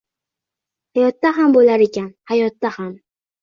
Hayotda ham bo‘lar ekan, hayotda ham.